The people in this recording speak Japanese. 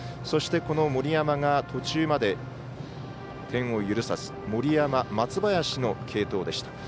そして、森山が途中まで点を許さず森山、松林の継投でした。